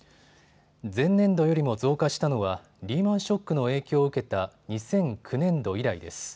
前年度よりも増加したのはリーマンショックの影響を受けた２００９年度以来です。